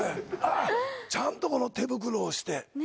ちゃんとこの手袋をして。